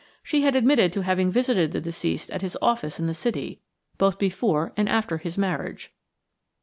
She had admitted to having visited the deceased at his office in the City, both before and after his marriage.